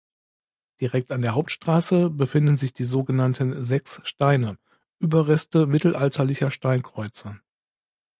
Direkt an der Hauptstraße befinden sich die sogenannten Sechs Steine, Überreste mittelalterlicher Steinkreuze.